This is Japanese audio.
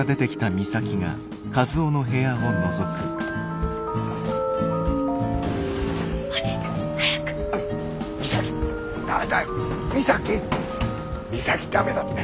美咲駄目だって。